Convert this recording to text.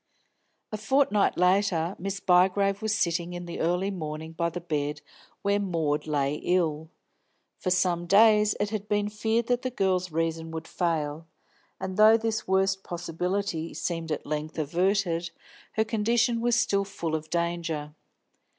A fortnight later Miss Bygrave was sitting in the early morning by the bed where Maud lay ill. For some days it had been feared that the girl's reason would fail, and though this worst possibility seemed at length averted, her condition was still full of danger.